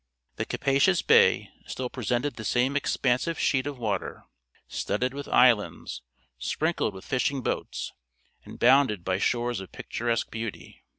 The capacious bay still presented the same expansive sheet of water, studded with islands, sprinkled with fishing boats, and bounded by shores of picturesque beauty.